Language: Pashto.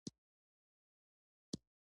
د شهادت لومړي تلین مراسم یې پیل شوي وو.